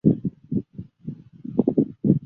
菲利波在三个孩子中排行居中。